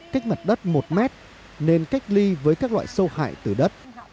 cách mặt đất một mét nên cách ly với các loại sâu hại từ đất